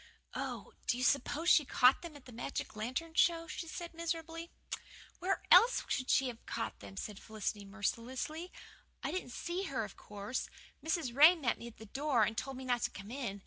"Oh, do you suppose she caught them at the magic lantern show?" she said miserably. "Where else could she have caught them?" said Felicity mercilessly. "I didn't see her, of course Mrs. Ray met me at the door and told me not to come in.